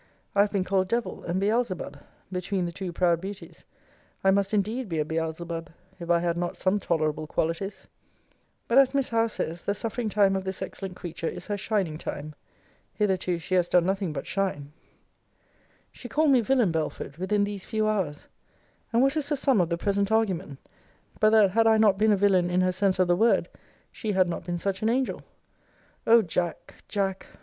* I have been called Devil and Beelzebub, between the two proud beauties: I must indeed be a Beelzebub, if I had not some tolerable qualities. * See Vol. III. Letter XXXIII. But as Miss Howe says, the suffering time of this excellent creature is her shining time.* Hitherto she has done nothing but shine. * See Vol. IV. Letter XXIII. She called me villain, Belford, within these few hours. And what is the sum of the present argument; but that had I not been a villain in her sense of the word, she had not been such an angel? O Jack, Jack!